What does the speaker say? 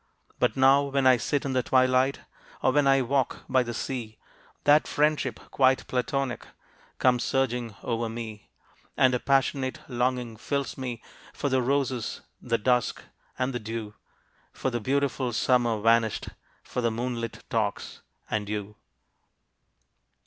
But now, when I sit in the twilight Or when I walk by the sea, That friendship quite "platonic" Comes surging over me. And a passionate longing fills me For the roses, the dusk and the dew, For the beautiful Summer vanished For the moonlit talks and you.